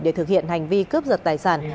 để thực hiện hành vi cướp giật tài sản